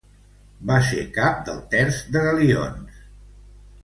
Va ser cap del Terç de Galions.